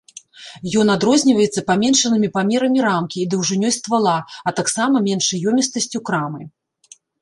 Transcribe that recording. Ён адрозніваецца паменшанымі памерамі рамкі і даўжынёй ствала, а таксама меншай ёмістасцю крамы.